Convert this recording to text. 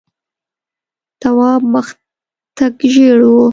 تواب مخ تک ژېړ و.